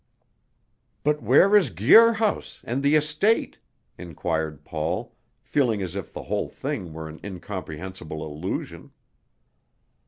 "But where is Guir House, and the estate?" inquired Paul, feeling as if the whole thing were an incomprehensible illusion.